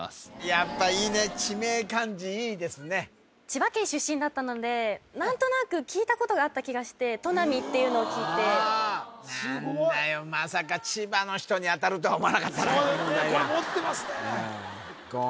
やっぱいいね千葉県出身だったので何となく聞いたことがあった気がしてとなみっていうのを聞いて何だよまさか千葉の人にあたるとは思わなかったな持ってますね言